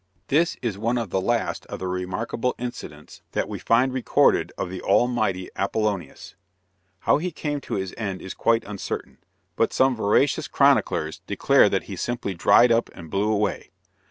This is one of the last of the remarkable incidents that we find recorded of the mighty Apollonius. How he came to his end is quite uncertain, but some veracious chroniclers declare that he simply dried up and blew away.